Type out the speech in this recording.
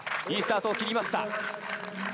いいスタートを切りました。